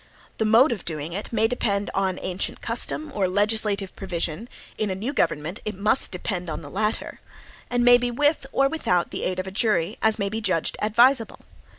The mode of doing it may depend on ancient custom or legislative provision (in a new government it must depend on the latter), and may be with or without the aid of a jury, as may be judged advisable.